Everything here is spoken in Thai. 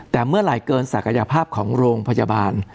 แต่เมื่อไหร่เกินศักยภาพของโรงพยาบาล